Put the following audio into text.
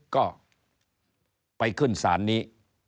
ก็ไปขึ้นศาลนี้